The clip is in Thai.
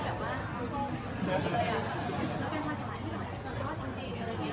มันไม่ได้จังหวังไม่ได้ทำให้ภาษาไทยเกิดขึ้น